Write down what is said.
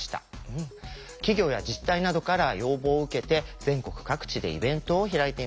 企業や自治体などから要望を受けて全国各地でイベントを開いています。